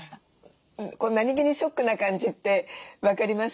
何気にショックな感じって分かりますね。